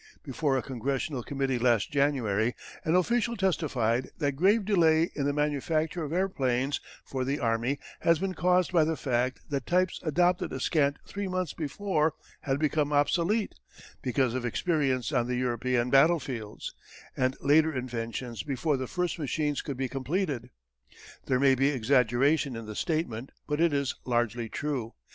Before a Congressional Committee last January an official testified that grave delay in the manufacture of airplanes for the army had been caused by the fact that types adopted a scant three months before had become obsolete, because of experience on the European battlefields, and later inventions before the first machines could be completed. There may be exaggeration in the statement but it is largely true.